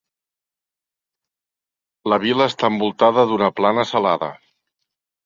La vila està envoltada d'una plana salada.